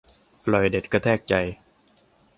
อร่อยเด็ดกระแทกใจ